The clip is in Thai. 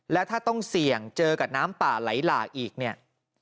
แล้วถ้าต้องเสี่ยงเจอกับน้ำป่าไหลหลากอีกเนี่ย